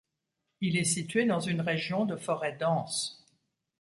Il est situé dans une région de forêts denses.